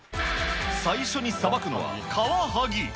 最初にさばくのはカワハギ。